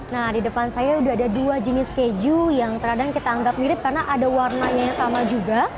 nah di depan saya sudah ada dua jenis keju yang teradang kita anggap mirip karena ada warnanya yang sama juga